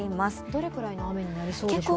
どれぐらいの雨になりそうですかね。